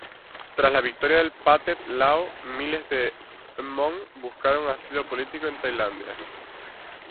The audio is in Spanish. Tras la victoria del Pathet Lao, miles de hmong buscaron asilo político en Tailandia.